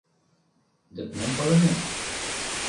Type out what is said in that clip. Дык мом палынет?